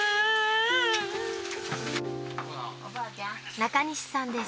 中西さんです。